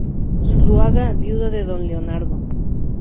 Zuloaga, viuda de Don Leonardo.